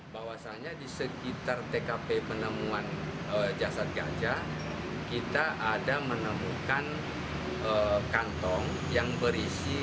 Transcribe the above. bahwasannya di sekitar tkp penemuan jasad ganja kita ada menemukan kantong yang berisi